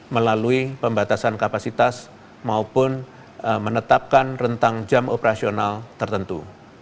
melalui pembatasan kapasitas maupun menetapkan rentang jam operasional tertentu